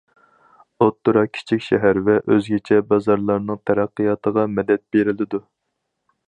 ئوتتۇرا، كىچىك شەھەر ۋە ئۆزگىچە بازارلارنىڭ تەرەققىياتىغا مەدەت بېرىلىدۇ.